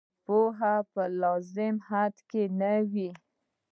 پوهه په لازم حد کې نه وي.